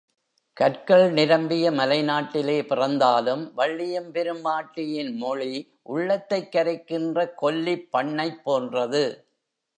கற்கள் நிரம்பிய மலை நாட்டிலே பிறந்தாலும், வள்ளியெம்பெருமாட்டியின் மொழி உள்ளத்தைக் கரைக்கின்ற கொல்லிப் பண்ணைப் போன்றது.